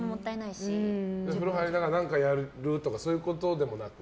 風呂入りながら何かやるとかそういうこともなく？